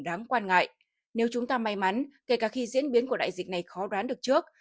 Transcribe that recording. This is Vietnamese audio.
đáng quan ngại nếu chúng ta may mắn kể cả khi diễn biến của đại dịch này khó đoán được trước